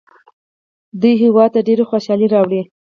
دوی هیواد ته ډېرې خوشحالۍ راوړي.